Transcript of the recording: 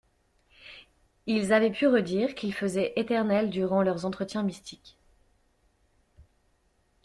Ils avaient pu redire qu'il faisait éternel durant leurs entretiens mystiques.